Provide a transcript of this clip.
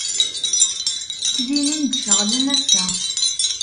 Ttbinen-d ceɣlen assa.